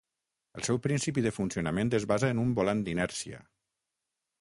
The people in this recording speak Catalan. El seu principi de funcionament es basa en un volant d'inèrcia.